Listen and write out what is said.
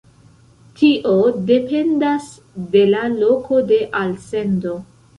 Tio dependas de la loko de alsendo.